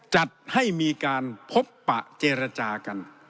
จัดให้มีการพบปะเจรจากัน